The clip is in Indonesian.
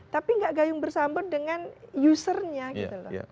tapi gak gayung bersambut dengan usernya gitu loh